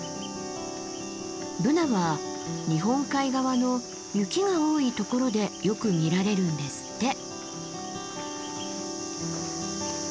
ブナは日本海側の雪が多いところでよく見られるんですって。